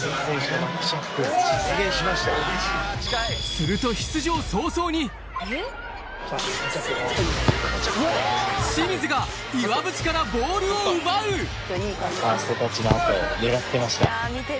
すると清水が岩渕からボールを奪うファーストタッチの後狙ってました。